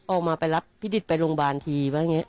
ออกมาไปรับพี่ดิตไปโรงพยาบาลทีว่าอย่างนี้